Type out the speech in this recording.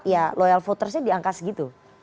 ya loyal votersnya di angka segitu